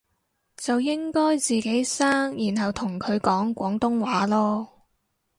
就應該自己生然後同佢講廣東話囉